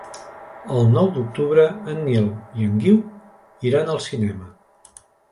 El nou d'octubre en Nil i en Guiu iran al cinema.